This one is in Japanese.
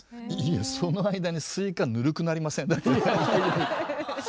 いやその間にスイカぬるくなりません？